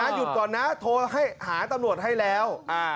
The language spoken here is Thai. หยุดก่อนนะโทรให้หาตำรวจให้แล้ว